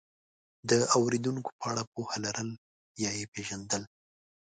د اورېدونکو په اړه پوهه لرل یا یې پېژندل،